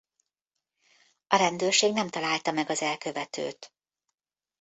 A rendőrség nem találta meg az elkövetőt.